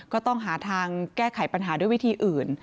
ก็ต้องหาทางแก้ไขปัญหาด้วยวิธีอื่น